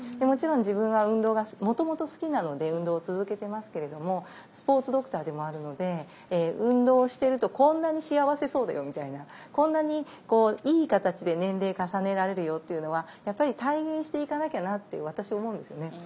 もちろん自分は運動がもともと好きなので運動を続けてますけれどもスポーツドクターでもあるので運動をしてるとこんなに幸せそうだよみたいなこんなにこういい形で年齢重ねられるよっていうのはやっぱり体現していかなきゃなって私思うんですよね。